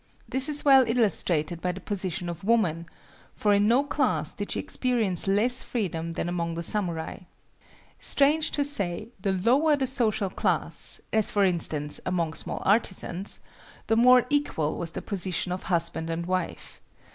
This is well illustrated by the position of woman; for in no class did she experience less freedom than among the samurai. Strange to say, the lower the social class—as, for instance, among small artisans—the more equal was the position of husband and wife.